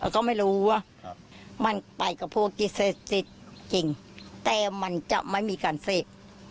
ก็ไม่รู้ว่ามันไปกับพวกที่เสพติดจริงแต่มันจะไม่มีการเสพ